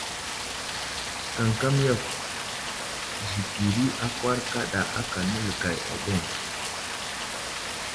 Kamkam yakw zəkiri akwar kaɗa aka nələgay aɗeŋ.